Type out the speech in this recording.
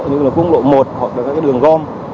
như là cúc lộ một hoặc là các đường gom